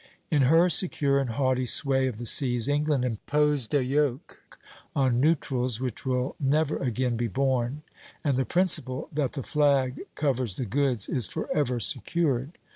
In her secure and haughty sway of the seas England imposed a yoke on neutrals which will never again be borne; and the principle that the flag covers the goods is forever secured.